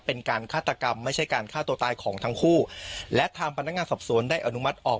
เป็นการฆาตกรรมไม่ใช่การฆ่าตัวตายของทั้งคู่และทางพนักงานสอบสวนได้อนุมัติออก